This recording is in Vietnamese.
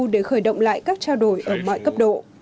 để khởi động lại các trao đổi ở mọi cấp độ